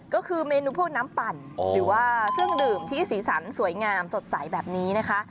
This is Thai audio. ก็คือเมนูพวกน้ำปั่นหรือว่าเครื่องดื่มที่สีสันสวยงามสดใสแบบนี้นะคะ